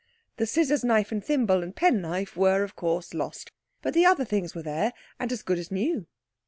The scissors, knife, and thimble, and penknife were, of course, lost, but the other things were there and as good as new.